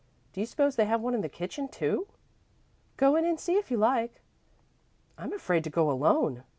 "Do you suppose they have one in the kitchen, too?" "Go in and see, if you like." "I'm afraid to go alone.